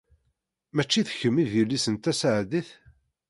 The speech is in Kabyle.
Mačči d kemm i d yelli-s n Tasaɛdit?